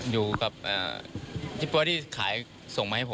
อยู่กับอ่าที่พ่อที่ขายส่งมันให้ผมครับ